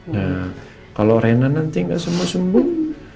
nah kalo reina nanti gak sembuh sembuh